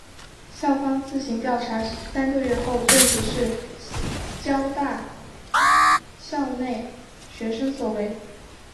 校方自行调查三个月后证实是教大校内学生所为。